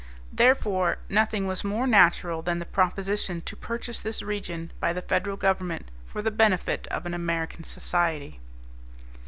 Therefore, nothing was more natural than the proposition to purchase this region by the Federal Government for the benefit of an American society.